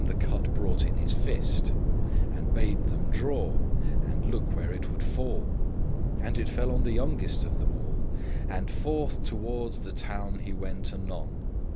Then one of them the cut brought in his fist, And bade them draw, and look where it would fall; And it fell on the youngest of them all; And forth toward the town he went anon.